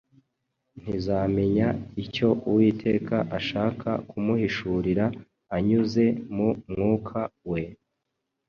ntizamenya icyo Uwiteka ashaka kumuhishurira anyuze mu mwuka we!